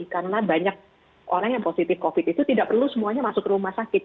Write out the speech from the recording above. karena banyak orang yang positif covid itu tidak perlu semuanya masuk rumah sakit